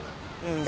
うん。